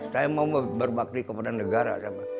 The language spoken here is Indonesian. saya mau berbakti kepada negara